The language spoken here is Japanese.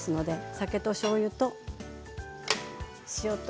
酒としょうゆと塩と。